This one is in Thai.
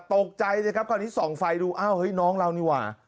ตกใจสิครับคราวนี้ส่องไฟดูอ้าวเฮ้ยน้องเรานี่หว่า